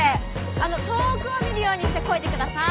あの遠くを見るようにしてこいでくださーい。